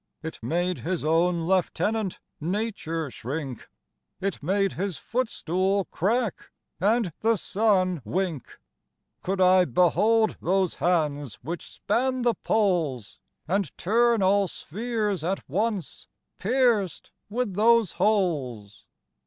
It made his owne Lieutenant Nature shrinke, It made his footstoole crack, and the Sunne winke. Could I behold those hands which span the Poles, And turne all spheares at once, peirc'd with those holes?